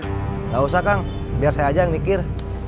nggak usah kang biar saya aja yang mikir